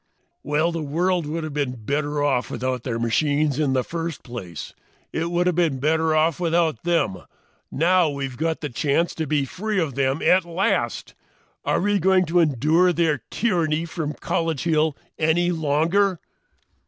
"Well, the world would have been better off without their machines in the first place. It would have been better off without them. Now we've got a chance to be free of them at last! Are we going to endure their tyranny from College Hill any longer?"